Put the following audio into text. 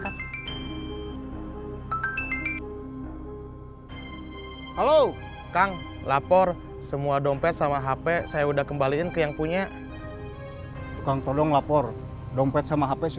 hai hai halo kang lapor semua dompet sama hp saya udah kembaliin ke yang pasti kitamensil ayo